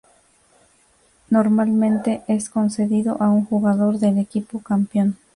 Normalmente es concedido a un jugador del equipo campeón.